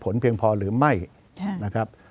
จะพิจารณาคม